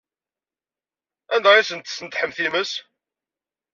Anda ay asent-tesnedḥem times?